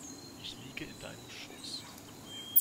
Ich liege in deinem Schoß.